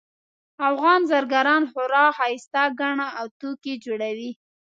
افغان زرګران خورا ښایسته ګاڼه او توکي جوړوي